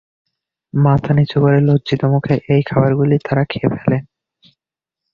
মাথা নিচু করে লজ্জিত মুখে এই খাবারগুলি তারা খেয়ে ফেলে।